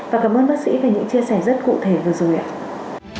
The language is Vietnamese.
và cảm ơn bác sĩ về những chia sẻ rất cụ thể vừa rồi ạ